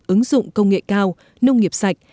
ứng dụng công nghệ cao nông nghiệp sạch